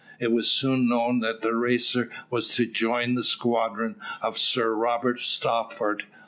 It was soon known that the Racer was to join the squadron of Sir Robert Stopford.